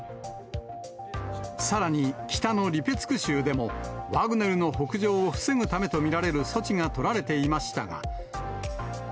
さらに北のリペツク州でも、ワグネルの北上を防ぐためと見られる措置が取られていましたが。